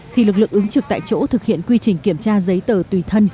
thì lực lượng ứng trực tại chỗ thực hiện quy trình kiểm tra giấy tờ tùy thân